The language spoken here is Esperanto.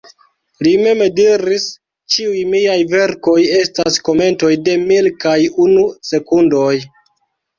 Li mem diris "Ĉiuj miaj verkoj estas komentoj de Mil kaj unu sekundoj"